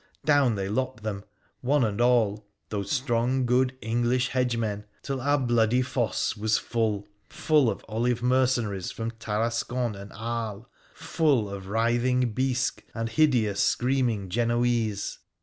Down they lopped them, one and all, those strong, good English hedgemen, till our bloody foss was full ■— full of olive mercenaries from Tarascon and Aries — full of writhing Bisc and hideous screaming Genoese.